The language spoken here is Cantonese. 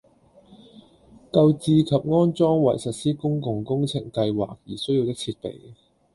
購置及安裝為實施公共工程計劃而需要的設備